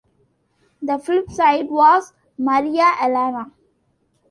The flip side was Maria Elena.